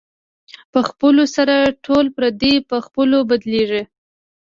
په خپلولو سره ټول پردي په خپلو بدلېږي.